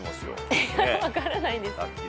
いや分からないです。